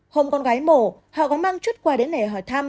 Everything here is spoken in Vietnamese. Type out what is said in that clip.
hôm con gái mổ họ có mang chút quà đến để hỏi thăm